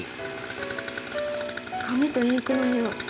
紙とインクの匂い